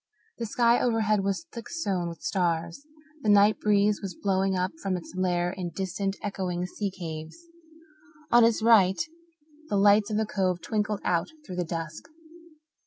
The sky overhead was thick sown with stars; the night breeze was blowing up from its lair in distant, echoing sea caves. On his right the lights of the Cove twinkled out through the dusk.